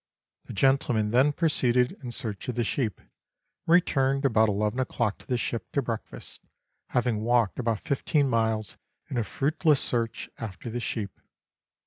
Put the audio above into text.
The gentlemen then proceeded in search of the sheep, and returned about eleven o'clock to the ship to breakfast, having walked about fifteen miles in a fruitless search after the sheep.